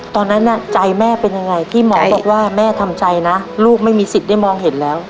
ตอนนั้นใจแม่เป็นยังไงพี่หมอบอกว่าแม่ทำใจนะลูกไม่มีสิทธิ์ได้มองเห็นแล้ว